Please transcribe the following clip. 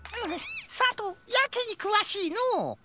さとうやけにくわしいのう。